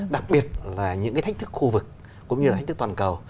đặc biệt là những cái thách thức khu vực cũng như là thách thức toàn cầu